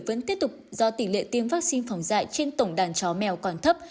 vẫn tiếp tục do tỷ lệ tiêm vaccine phòng dạy trên tổng đàn chó mèo còn thấp